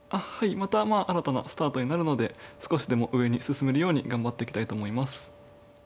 また新たなスタートになるので少しでも上に進めるように頑張っていきたいと思います。